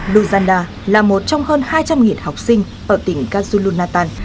luzana là một trong hơn hai trăm linh học sinh ở tỉnh kajulunatan